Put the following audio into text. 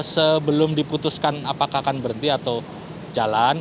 sebelum diputuskan apakah akan berhenti atau jalan